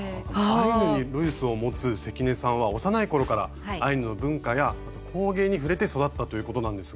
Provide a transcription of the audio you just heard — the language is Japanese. アイヌにルーツを持つ関根さんは幼い頃からアイヌの文化や工芸に触れて育ったということなんですが。